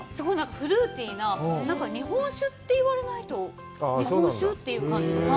フルーティーな、日本酒って言われないと日本酒？という感じの。